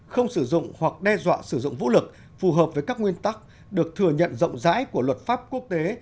không sử dụng hoặc đe dọa sử dụng vũ lực phù hợp với các nguyên tắc được thừa nhận rộng rãi của luật pháp quốc tế